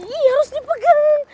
ih harus dipegang